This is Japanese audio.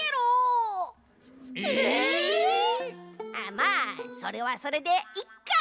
まあそれはそれでいっか！